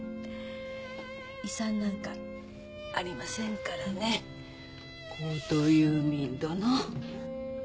遺産なんかありませんからね高等遊民殿。